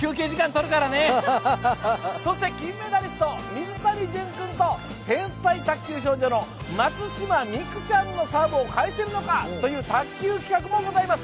それから金メダリスト、水谷隼君と天才卓球少女の松島美空ちゃんの球を返せるのか、卓球企画もございます。